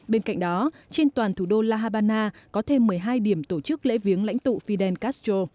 bên cạnh đó trên toàn thủ đô la habana có thêm một mươi hai điểm tổ chức lễ viếng lãnh tụ fidel castro